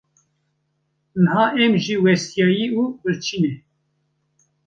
Niha em jî westiyayî û birçî ne.